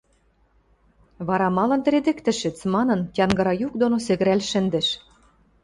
– Вара, малын тӹредӹктӹшӹц?! – манын, тянгыра юк доно сӹгӹрӓл шӹндӹш.